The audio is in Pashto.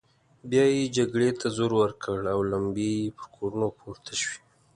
بيا يې جګړې ته زور ورکړ او لمبې يې پر کورونو پورته شوې.